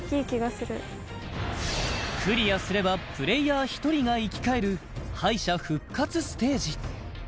クリアすればプレイヤー１人が生き返る敗者復活ステージ